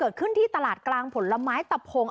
เกิดขึ้นที่ตลาดกลางผลไม้ตะพง